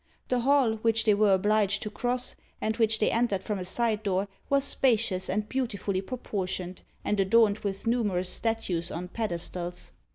The hall, which they were obliged to cross, and which they entered from a side door, was spacious and beautifully proportioned, and adorned with numerous statues on pedestals.